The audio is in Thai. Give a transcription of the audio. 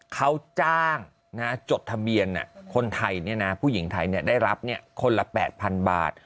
เขาจ้างนะจดทะเบียนคนไทยเนี่ยนะผู้หญิงไทยเนี่ยได้รับเนี่ยคนละ๘๐๐๐บาท